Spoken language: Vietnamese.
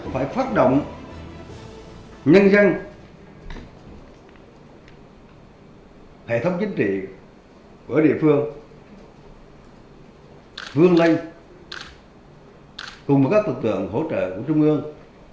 phải phát động nhân dân hệ thống chính trị của địa phương vương lây cùng với các lực tượng hỗ trợ của trung ương